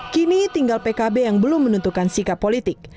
kini tinggal pkb yang belum menentukan sikap politik